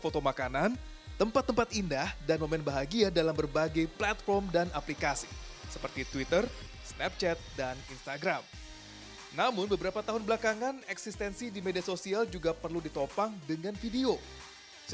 saya aziza hanum komitmen diri jangan pernah berhenti untuk beri nofas